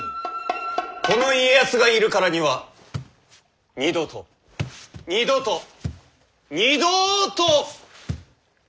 この家康がいるからには二度と二度と二度と！